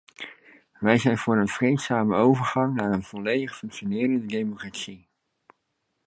Wij zijn voor een vreedzame overgang naar een volledig functionerende democratie.